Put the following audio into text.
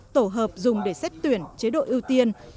tổ hợp dùng để xét tuyển chế độ ưu tiên